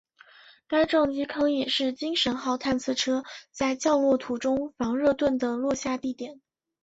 该撞击坑也是精神号探测车在降落途中防热盾的落下地点。